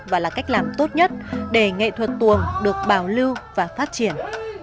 và là cách làm tốt nhất để nghệ thuật tuồng được bảo lưu và phát triển